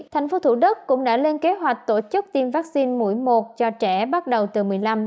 thành phố thủ đất cũng đã lên kế hoạch tổ chức tiêm vaccine mỗi một cho trẻ bắt đầu từ một mươi năm hai mươi